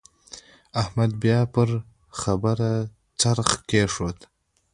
احمد بيا پر خبره څرخ کېښود.